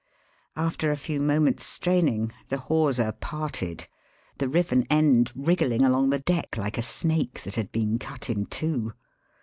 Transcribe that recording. After a few moments' straining the hawser parted, the riven end wrigghng along the deck like a snake that had been cut in two.